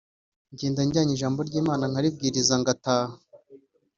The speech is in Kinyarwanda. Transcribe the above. ngenda njyanye ijambo ry’Imana nkaribwiriza ngataha